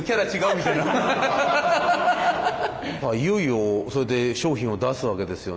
いよいよそれで商品を出すわけですよね。